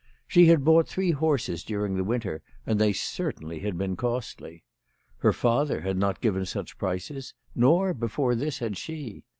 She had bought three horses during the winter, and they certainly had been costly. Her father had not given such prices, nor, before this, had she.